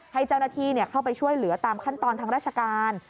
ให้เจ้าหน้าที่เข้าไปช่วยเหลือตามขั้นตอนทางราชการ